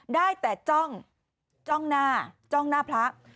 ได้แต่จ้องจ้องหน้าจ้องหน้าพระ